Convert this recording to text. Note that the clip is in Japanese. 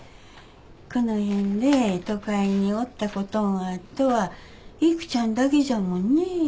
この辺で都会におったことんあっとは育ちゃんだけじゃもんね。